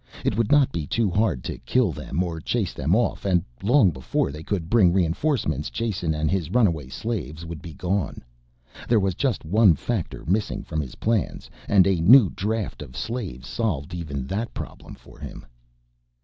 It would not be too hard to kill them or chase them off and long before they could bring reinforcements Jason and his runaway slaves would be gone. There was just one factor missing from his plans and a new draft of slaves solved even that problem for him.